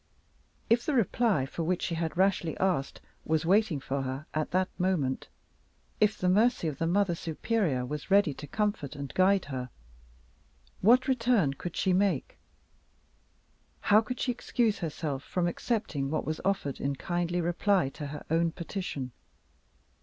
If the reply for which she had rashly asked was waiting for her at that moment if the mercy of the Mother Superior was ready to comfort and guide her what return could she make? how could she excuse herself from accepting what was offered in kindly reply to her own petition?